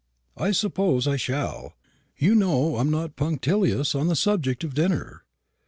"I suppose I shall. You know I'm not punctilious on the subject of dinner.